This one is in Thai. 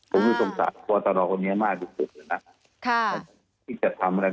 ผมก็สงสัยว่าตลอดคนเนี่ยมากที่สุดนะที่จะทำอะไรก็ทำได้ได้นะ